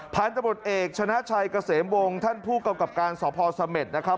พันธบทเอกชนะชัยเกษมวงท่านผู้กำกับการสพสเม็ดนะครับ